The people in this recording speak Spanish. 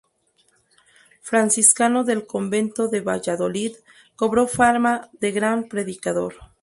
Franciscano del convento de Valladolid, cobró fama de gran predicador.